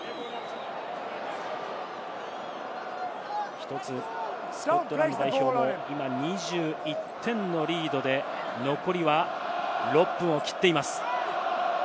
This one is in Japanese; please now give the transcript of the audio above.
１つスコットランド代表の今２１点のリードで、残りは６分を切っています。